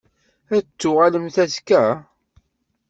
Ad d-tuɣalem azekka?